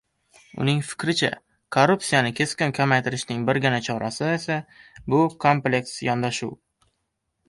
Uning fikricha, korrupsiyani keskin kamaytirishning birgina chorasi esa bu kompleks yondashuv